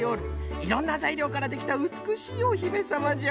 いろんなざいりょうからできたうつくしいお姫様じゃ。